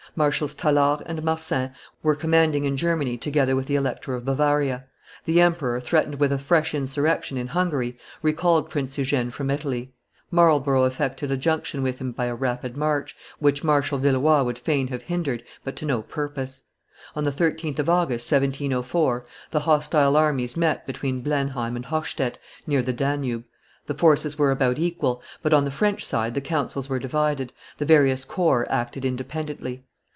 Marshals Tallard and Marsin were commanding in Germany together with the Elector of Bavaria; the emperor, threatened with a fresh insurrection in Hungary, recalled Prince Eugene from Italy; Marlborough effected a junction with him by a rapid march, which Marshal Villeroi would fain have hindered, but to no purpose; on the 13th of August, 1704, the hostile armies met between Blenheim and Hochstett, near the Danube; the forces were about equal, but on the French side the counsels were divided, the various corps acted independently.